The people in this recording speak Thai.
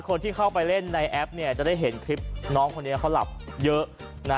คนที่เข้าไปเล่นในแอปจะได้เห็นคลิปน้องคนนี้เขาหลับเยอะนะ